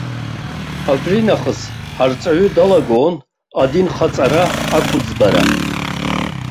Абринахыс, ҳарҵаҩы далагон адинхаҵара ақәыӡбара.